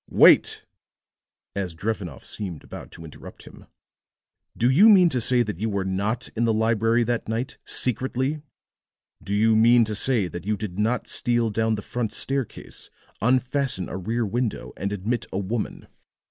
"Wait!" As Drevenoff seemed about to interrupt him. "Do you mean to say that you were not in the library that night, secretly? Do you mean to say that you did not steal down the front staircase, unfasten a rear window, and admit a woman?